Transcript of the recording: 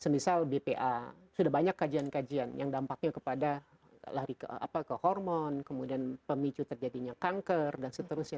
misal bpa sudah banyak kajian kajian yang dampaknya kepada lari ke hormon kemudian pemicu terjadinya kanker dan seterusnya